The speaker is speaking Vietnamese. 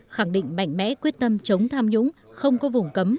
khẳng định mạnh mẽ quyết tâm chống tham nhũng không có vùng cấm